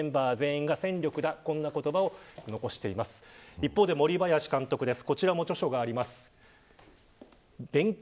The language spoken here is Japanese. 一方で森林監督です。